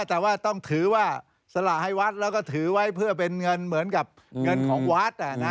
แต่ว่าต้องถือว่าสละให้วัดแล้วก็ถือไว้เพื่อเป็นเงินเหมือนกับเงินของวัด